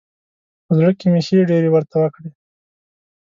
په زړه کې مې ښې ډېرې ورته وکړې.